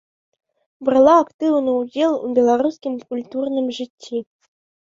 Брала актыўны ўдзел у беларускім культурным жыцці.